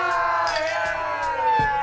イエーイ！